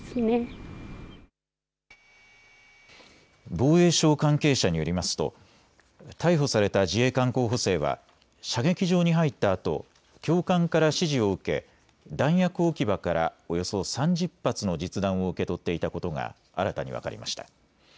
防衛省関係者によりますと逮捕された自衛官候補生は射撃場に入ったあと教官から指示を受け弾薬置き場からおよそ３０発の実弾を受け取っていたことが新たに分かりました。